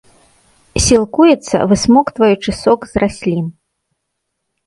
Сілкуецца, высмоктваючы сок з раслін.